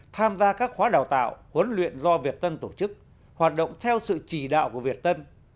tham gia các khóa đào tạo huấn luyện do việt tân tổ chức hoạt động theo sự chỉ đạo của việt tân